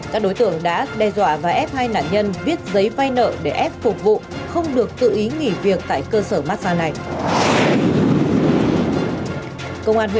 các đối tượng đã đe dọa và ép hai nạn nhân viết giấy vai nợ để ép phục vụ không được tự ý nghỉ việc tại cơ sở mát xa này